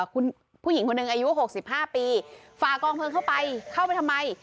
คุณผู้หญิงคนหนึ่งอายุ๖๕ปีฝ่ากองเพลิงเข้าไปเข้าไปทำไม